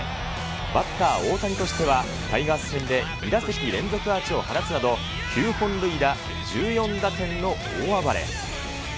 バッター大谷としては、タイガース戦で２打席連続アーチを放つなど、９本塁打１４打点の大暴れ。